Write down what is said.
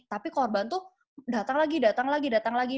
tapi korban tuh datang lagi datang lagi datang lagi